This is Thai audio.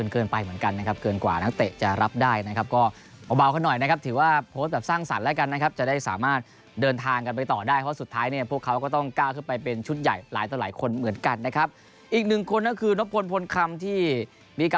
คือแค่ผมมีรอยสักก็อย่าหาว่าผมไม่ดี